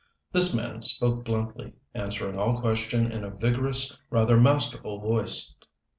This man spoke bluntly, answering all questions in a vigorous, rather masterful voice.